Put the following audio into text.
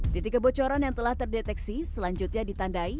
titik kebocoran yang telah terdeteksi selanjutnya ditandai